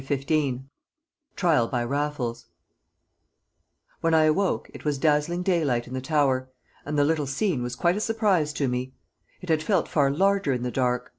CHAPTER XV Trial by Raffles When I awoke it was dazzling daylight in the tower, and the little scene was quite a surprise to me. It had felt far larger in the dark.